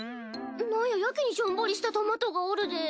なんややけにしょんぼりしたトマトがおるで。